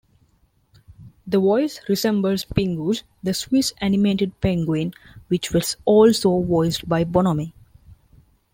The voice resembles Pingu's, the Swiss animated penguin, which was also voiced by Bonomi.